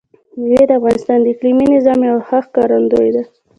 مېوې د افغانستان د اقلیمي نظام یوه ښه ښکارندوی ده.